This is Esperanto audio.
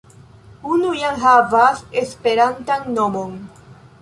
Unu jam havas esperantan nomon.